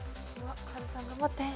カズさん頑張って。